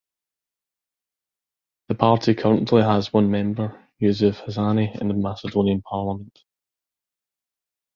The Party currently has one member, Yusuf Hasani, in the Macedonian parliament.